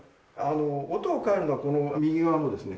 音を変えるのはこの右側のですね